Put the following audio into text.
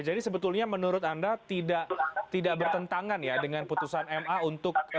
sebetulnya menurut anda tidak bertentangan ya dengan putusan ma untuk